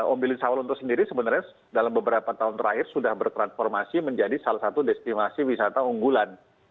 ombilin sawalunto sendiri sebenarnya dalam beberapa tahun terakhir sudah bertransformasi menjadi salah satu destinasi wisata unggulan